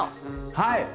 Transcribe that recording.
はい！